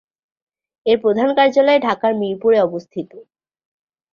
এর প্রধান কার্যালয় ঢাকার মিরপুরে অবস্থিত।